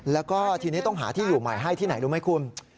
แล้วก็ทีนี้ต้องหาที่อยู่ใหม่ให้ที่ไหนรู้ไหมคุณ